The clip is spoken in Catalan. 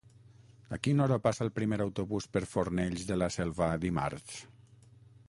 A quina hora passa el primer autobús per Fornells de la Selva dimarts?